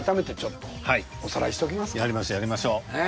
やりましょうやりましょう。